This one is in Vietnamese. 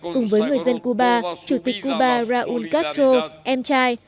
cùng với người dân cuba chủ tịch cuba raúl castro em trai